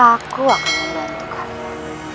aku akan membantukannya